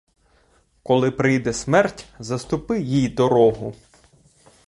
Коли прийде смерть, заступи їй дорогу!